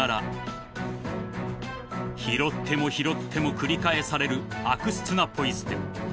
［拾っても拾っても繰り返される悪質なポイ捨て］